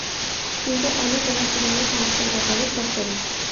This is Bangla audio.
কিন্তু আমি তোমার জীবনের সমস্যার ব্যাপারে সব জানি।